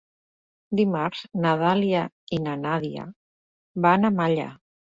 Dimarts na Dàlia i na Nàdia van a Malla.